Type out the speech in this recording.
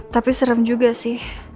tapi serem juga sih